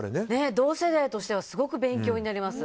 同世代としてはすごく勉強になります。